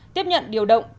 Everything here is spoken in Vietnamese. tiếp nhận điều động